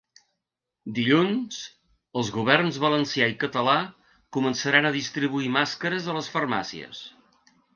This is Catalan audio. Dilluns els governs valencià i català començaran a distribuir màscares a les farmàcies.